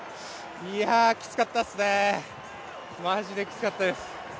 いや、きつかったですね、マジできつかったです。